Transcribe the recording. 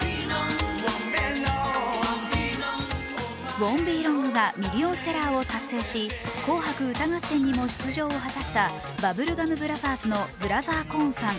「ＷＯＮ’ＴＢＥＬＯＮＧ」がミリオンセラーを達成し「紅白歌合戦」にも出場を果たしたバブルガムブラザーズのブラザー・コーンさん